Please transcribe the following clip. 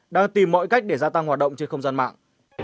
đang tìm mọi cách để gia tăng hoạt động trên không gian mạng